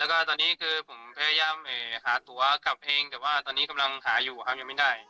แล้วก็ตอนนี้คือผมพยายามหาตัวกลับเองแต่ว่าตอนนี้กำลังหาอยู่ครับยังไม่ได้